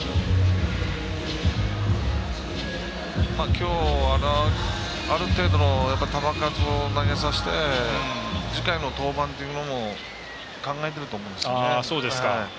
きょうはある程度の球数を投げさせて次回の登板っていうものも考えていると思うんですよね。